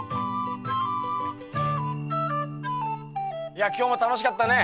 いや今日も楽しかったね。